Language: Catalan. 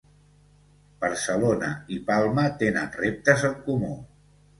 Barcelona i Palma tenen reptes en comú